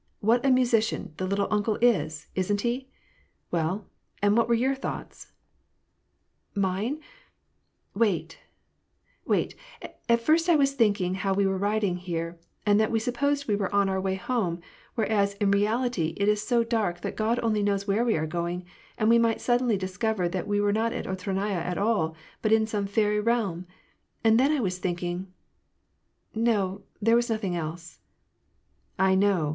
What a musician the 4ittle uncle' is! Isn't he? — Well, and what were your thoughts ?"" Mine ? Wait ! wait ! At first, I was thinking how we were riding here, and that we supposed we were on our way home ; whereas, in reality, it is so dark that God only knows where we are going ; and we might suddenly discover that we were not at Otradnoye at all, but in some fairy realm ! And then I was thinking — no, there was nothing else !" "I know!